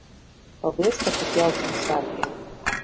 Paldies par tik jaukiem svētkiem!